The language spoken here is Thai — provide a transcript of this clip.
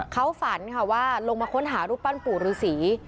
เขาฝันค่ะว่าลงมาค้นหารูปปั้นปู่ฤษี